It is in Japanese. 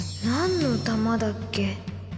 何の珠だっけ？